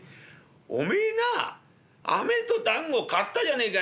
「おめえなあ飴と団子買ったじゃねえかよ」。